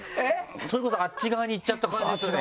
それこそあっち側に行っちゃった感じですね